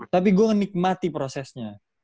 tapi gue ngenikmati prosesnya